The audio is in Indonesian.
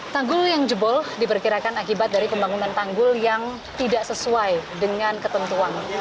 tanggul yang jebol diperkirakan akibat dari pembangunan tanggul yang tidak sesuai dengan ketentuan